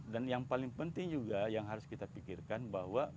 dan yang paling penting juga yang harus kita pikirkan bahwa